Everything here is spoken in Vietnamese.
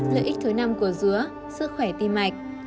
lợi ích thứ năm của dứa sức khỏe tim mạch